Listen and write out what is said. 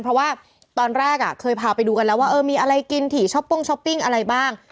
เพราะว่าตอนแรกเคยพาไปดูกันแล้วว่าเออมีอะไรกินถี่ช้อปป้งช้อปปิ้งอะไรบ้าง